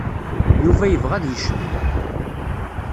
Yuba yebɣa ad yecnu.